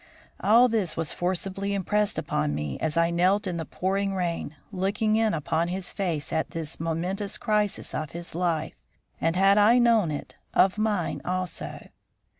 All this was forcibly impressed upon me as I knelt in the pouring rain, looking in upon his face at this momentous crisis of his life, and, had I known it, of my own also.